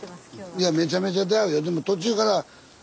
めちゃめちゃ出会うよ。